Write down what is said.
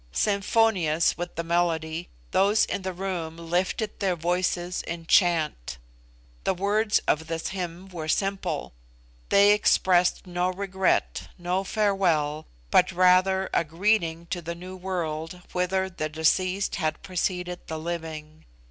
Symphonious with the melody, those in the room lifted their voices in chant. The words of this hymn were simple. They expressed no regret, no farewell, but rather a greeting to the new world whither the deceased had preceded the living.